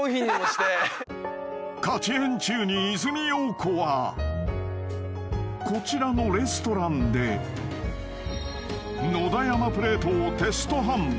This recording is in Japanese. ［カチヘン中に１２３☆４５はこちらのレストランで野田山プレートをテスト販売］